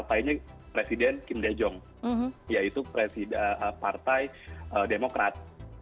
datang dari partainya presiden kim dae jong yaitu partai demokrat